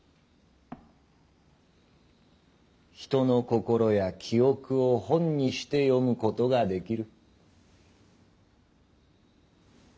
人の心や記憶を「本」にして読むことができる。